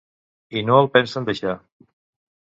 I no el pensen deixar.